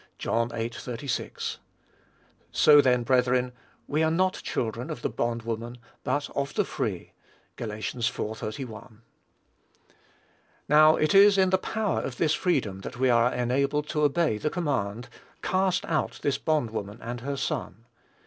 (John viii. 36.) "So, then, brethren, we are not children of the bond woman, but of the free." (Gal. iv. 31.) Now, it is in the power of this freedom that we are enabled to obey the command, "Cast out this bond woman and her son."